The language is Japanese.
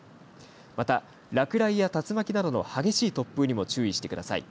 また、落雷や竜巻の激しい突風にも注意してください。